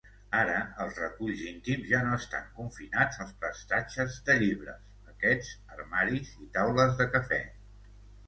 Ara els reculls íntims ja no estan confinats als prestatges de llibres, paquets, armaris i taules de cafè.